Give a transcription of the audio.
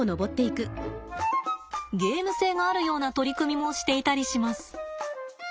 ゲーム性があるような取り組みもしていたりします。